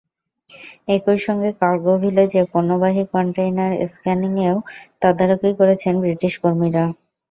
একই সঙ্গে কার্গো ভিলেজে পণ্যবাহী কনটেইনার স্ক্যানিংয়েও তদারকি করছেন ব্রিটিশ কর্মীরা।